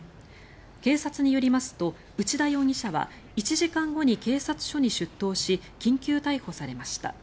警察によりますと、内田容疑者は１時間後に警察署に出頭し緊急逮捕されました。